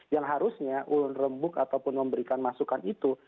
yang harusnya ulun rembuk ataupun memberikan masukan itu